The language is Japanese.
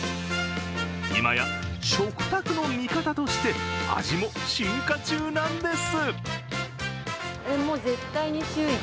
今や食卓の味方として味も進化中なんです。